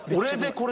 これ。